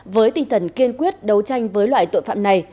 với tinh thần kiên quyết đấu tranh với loại tội phạm này